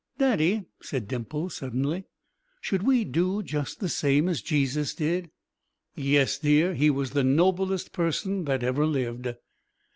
"Daddy," said Dimples, suddenly, "should we do just the same as Jesus did?" "Yes, dear; He was the noblest Person that ever lived."